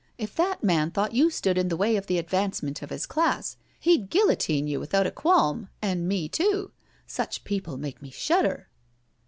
If that man thought you stood in the way of the advancement of his class, he'd guillotine you without a qualm, and me too — such people make me shudder.